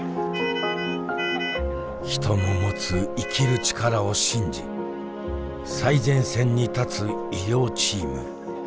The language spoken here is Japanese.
人の持つ生きる力を信じ最前線に立つ医療チーム。